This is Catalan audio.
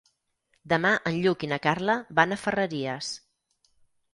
Demà en Lluc i na Carla van a Ferreries.